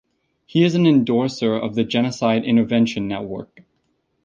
He is an endorser of the Genocide Intervention Network.